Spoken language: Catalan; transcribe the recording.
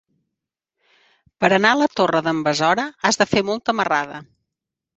Per anar a la Torre d'en Besora has de fer molta marrada.